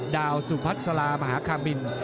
ดาวสุภัษกษามาหาคามิล